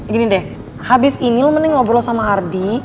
gini deh habis ini lu mending ngobrol sama ardi